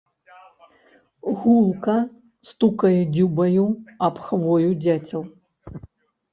Гулка стукае дзюбаю аб хвою дзяцел.